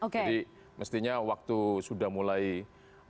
jadi mestinya waktu sudah mulai merebak di china kemudian di indonesia